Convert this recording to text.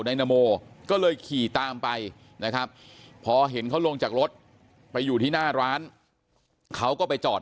นายนโมก็เลยขี่ตามไปนะครับพอเห็นเขาลงจากรถไปอยู่ที่หน้าร้านเขาก็ไปจอด